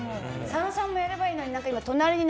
佐野さんもやればいいのに。